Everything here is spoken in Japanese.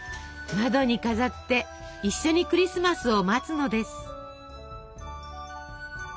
窓に飾って一緒にクリスマスを待つのです。